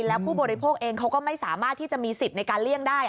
แล้วผู้บริโภคเองเขาก็ไม่สามารถที่จะมีสิทธิ์ในการเลี่ยงได้